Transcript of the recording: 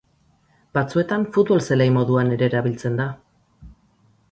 Batzuetan futbol zelai moduan ere erabiltzen da.